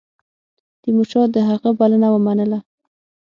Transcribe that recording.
تیمورشاه د هغه بلنه ومنله.